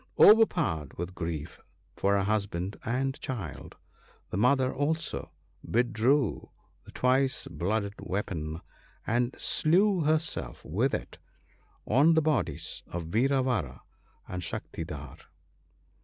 Overpowered with grief for her husband and child, the mother also withdrew the twice blooded weapon, and slew herself with it on the bodies of Vira vara and Shaktidhar.